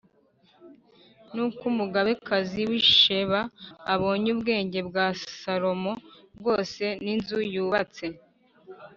Nuko umugabekazi w’i Sheba abonye ubwenge bwa Salomo bwose n’inzu yubatse